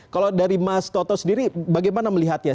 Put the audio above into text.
kalau dari mas toto sendiri bagaimana melihatnya